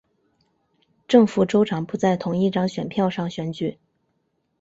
正副州长不在同一张选票上选举。